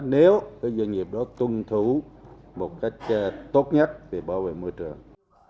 nếu cái doanh nghiệp đó tuân thủ một cách tốt nhất về bảo vệ môi trường